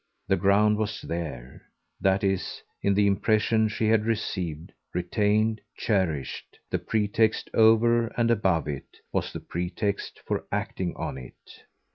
The ground was there, that is, in the impression she had received, retained, cherished; the pretext, over and above it, was the pretext for acting on it.